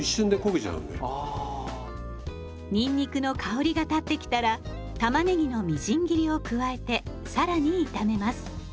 にんにくの香りが立ってきたらたまねぎのみじん切りを加えて更に炒めます。